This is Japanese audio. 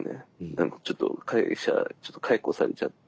何かちょっと会社ちょっと解雇されちゃって。